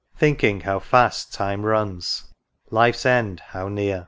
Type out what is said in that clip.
Thinking how fast time runs, life's end how near